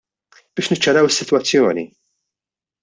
Biex niċċaraw is-sitwazzjoni.